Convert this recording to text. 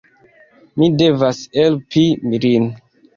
Mi devas helpi lin.